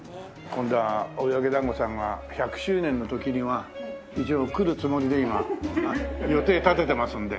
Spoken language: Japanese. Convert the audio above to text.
今度は追分だんごさんが１００周年の時には一応来るつもりで今予定立ててますので。